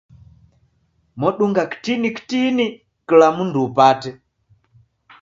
modunga kitini kitini kila mundu upate.